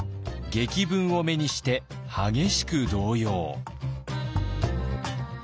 檄文を目にして激しく動揺。